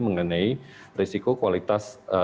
mengenai risiko kualitas